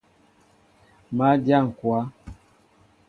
Má dyá ŋkwă.